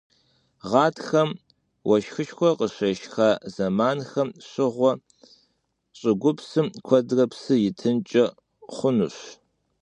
Гъатхэм, уэшхышхуэ къыщешха зэманхэм щыгъуэ щӀыгупсым куэдрэ псы итынкӀэ хъунущ.